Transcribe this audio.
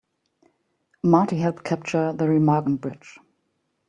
Marty helped capture the Remagen Bridge.